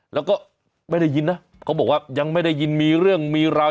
แล้วก็ไม่ได้ยินนะเขาบอกว่ายังไม่ได้ยินมีเรื่องมีราว